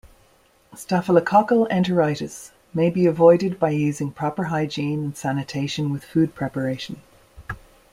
Staphylococcal enteritis may be avoided by using proper hygiene and sanitation with food preparation.